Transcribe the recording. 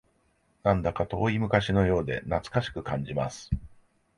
なんだか遠い昔のようで懐かしく感じます